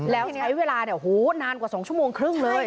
แล้วใช้เวลานานกว่า๒ชั่วโมงครึ่งเลย